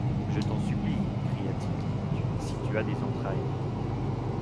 Je t’en supplie, cria-t-il, si tu as des entrailles